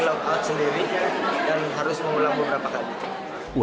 saya lock out sendiri dan harus mengulang beberapa kali